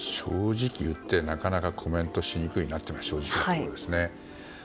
なかなかコメントしにくいなというのが正直なところですね。